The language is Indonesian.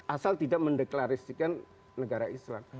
asal tidak mendeklarasikan negara islam